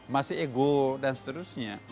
masih ego dan seterusnya